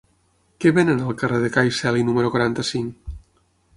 Què venen al carrer de Cai Celi número quaranta-cinc?